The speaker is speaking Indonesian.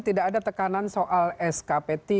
tidak ada tekanan soal skp tiga